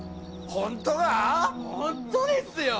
・本当ですよ！